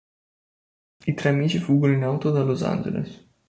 I tre amici fuggono in auto da Los Angeles.